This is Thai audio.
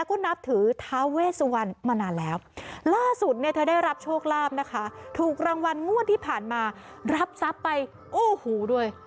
โอ้โหด้วยเกือบ๑ล้านบาทโอ้โห